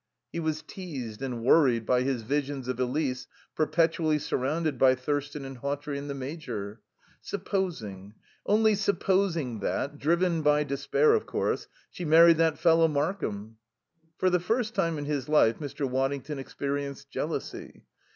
He was teased and worried by his visions of Elise perpetually surrounded by Thurston and Hawtrey and the Major. Supposing only supposing that driven by despair, of course she married that fellow Markham? For the first time in his life Mr. Waddington experienced jealousy.